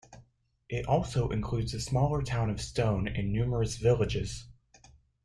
It also includes the smaller town of Stone and numerous villages.